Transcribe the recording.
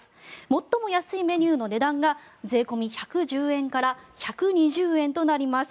最も安いメニューの値段が税込み１１０円から１２０円となります。